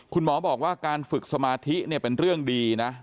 คุณหมอบอกว่าการฝึกสมาธิเนี่ยเป็นเรื่องดีนะ